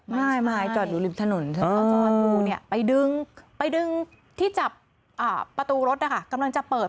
ไม่จอดอยู่ริมถนนเขาจอดอยู่เนี่ยไปดึงไปดึงที่จับประตูรถนะคะกำลังจะเปิด